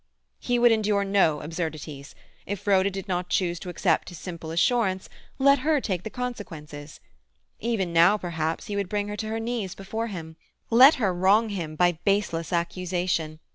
He would endure no absurdities. If Rhoda did not choose to accept his simple assurance—let her take the consequences. Even now, perhaps, he would bring her to her knees before him. Let her wrong him by baseless accusation!